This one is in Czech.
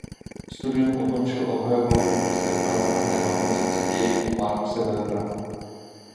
Studium ukončil obhajobou doktorské práce na téma "koncepce dějin u Maxe Webera".